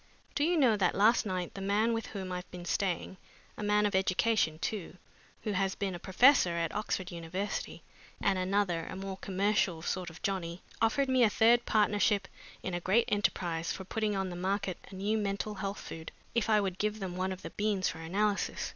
Do you know that last night the man with whom I have been staying a man of education too, who has been a professor at Oxford University, and another, a more commercial sort of Johnny, offered me a third partnership in a great enterprise for putting on the market a new mental health food, if I would give them one of the beans for analysis.